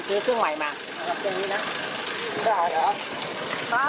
ซื้อเครื่องใหม่มา